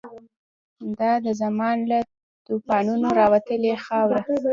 دا د زمان له توپانونو راوتلې خاوره